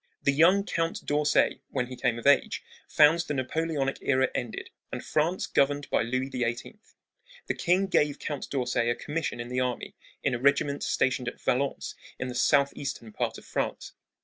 The young Count d'Orsay, when he came of age, found the Napoleonic era ended and France governed by Louis XVIII. The king gave Count d'Orsay a commission in the army in a regiment stationed at Valence in the southeastern part of France.